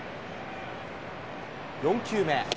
４球目。